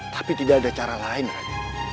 tapi tidak ada cara lain lagi